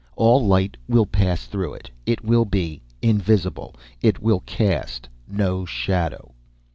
All light will pass through it. It will be invisible. It will cast no shadow."